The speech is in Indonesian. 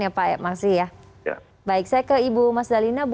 baik saya ke ibu mas dalina